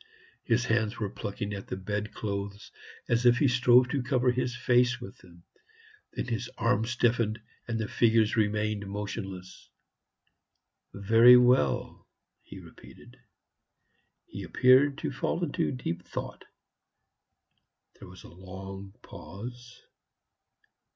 His hands were plucking at the bedclothes, as if he strove to cover his face with them. Then his arms stiffened and the fingers remained motionless. "Very well," he repeated. He appeared to fall into deep thought. There was a long pause.